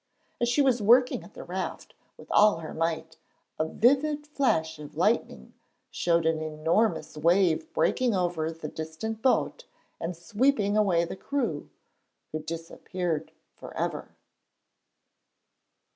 As she was working at the raft with all her might, a vivid flash of lightning showed an enormous wave breaking over the distant boat and sweeping away the crew, who disappeared for ever.